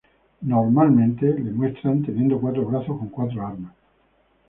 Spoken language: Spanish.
Normalmente le muestran teniendo cuatro brazos con cuatro armas.